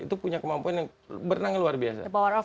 itu punya kemampuan yang berenangnya luar biasa